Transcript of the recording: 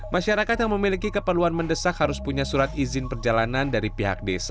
masyarakat yang memiliki keperluan mendesak harus punya surat izin perjalanan dari pihak desa